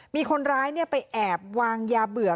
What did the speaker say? มีคนร้ายไปแอบวางยาเบื่อ